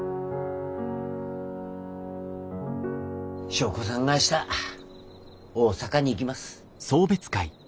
祥子さんが明日大阪に行きます。